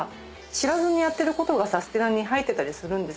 知らずにやってることがサスティなに入ってたりするんですよね。